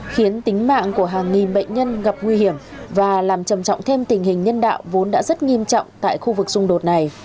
khiến tính mạng của hàng nghìn bệnh nhân gặp nguy hiểm và làm trầm trọng thêm tình hình nhân đạo vốn đã rất nghiêm trọng tại khu vực xung đột này